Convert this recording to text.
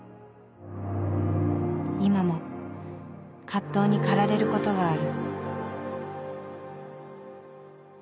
今も葛藤に駆られることがある。